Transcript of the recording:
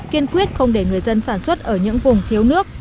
kiên quyết không để người dân sản xuất ở những vùng thiếu nước